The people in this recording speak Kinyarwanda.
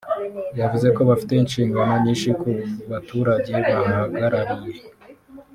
yavuze ko bafite inshingano nyinshi ku baturage bahagarariye